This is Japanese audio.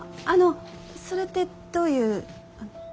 あのそれってどういう。